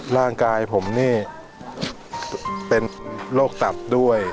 ร่างกายผมนี่เป็นโรคตับด้วย